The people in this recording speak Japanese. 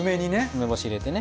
梅干し入れてね。